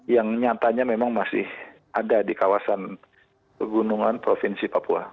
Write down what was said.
yang nyatanya memang masih ada di kawasan pegunungan provinsi papua